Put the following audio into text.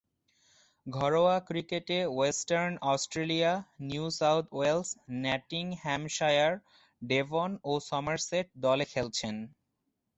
ঘরোয়া ক্রিকেটে Western Australia, New South Wales, Nottinghamshire, Devon ও সমারসেট দলে খেলেছেন।